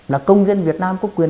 là công dân việt nam có quyền